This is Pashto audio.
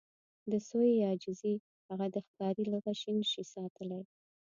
د سویې عاجزي هغه د ښکاري له غشي نه شي ساتلی.